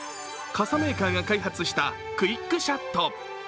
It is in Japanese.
傘メーカーが開発したクイックシャット。